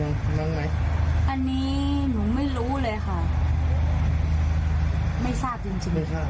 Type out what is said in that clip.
มีมั้งมั้ยอันนี้หนูไม่รู้เลยค่ะไม่ทราบจริงจริง